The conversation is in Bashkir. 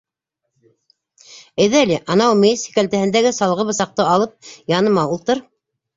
Әйҙә әле, анау мейес һикәлтәһендәге салғы бысаҡты алып яныма ултыр.